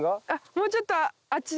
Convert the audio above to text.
もうちょっとあっちが。